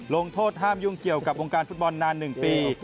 ลงโทษห้ามยุ่งเกี่ยวกับวงการฟุตบอลนาน๑ปี